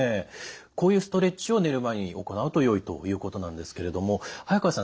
こういうストレッチを寝る前に行うとよいということなんですけれども早川さん